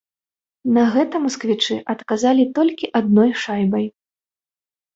На гэта масквічы адказалі толькі адной шайбай.